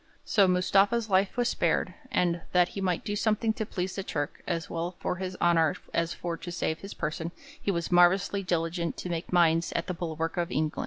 So Mustafa's life was spared, and 'that he might do something to please the Turk, as well for his honour as for to save his person, he was marvellously diligent to make mines at the bulwark of England.'